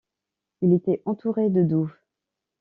Il était entouré de douves.